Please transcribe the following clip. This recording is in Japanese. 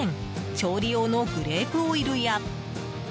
調理用のグレープオイルや。